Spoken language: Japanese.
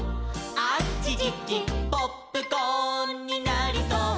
「あちちちポップコーンになりそう」